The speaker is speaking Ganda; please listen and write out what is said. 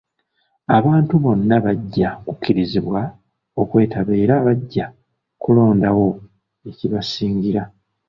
Abantu bonna bajja kukkirizibwa okwetabamu era bajja kulondawo ekibasingira.